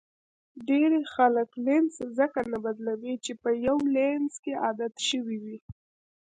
ډېری خلک لینز ځکه نه بدلوي چې په یو لینز کې عادت شوي وي.